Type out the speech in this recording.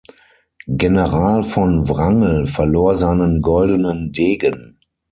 General von Wrangel verlor seinen goldenen Degen.